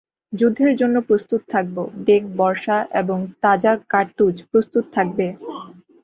যুদ্ধের জন্য প্রস্তুত থাকবো, ডেক, বর্শা এবং তাজা কার্তুজ প্রস্তুত থাকবে।